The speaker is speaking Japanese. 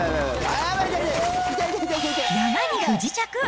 山に不時着。